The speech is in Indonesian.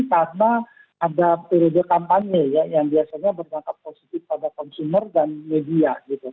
karena ada periode kampanye yang biasanya berdangkat positif pada konsumer dan media